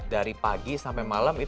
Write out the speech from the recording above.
dari pagi sampai malam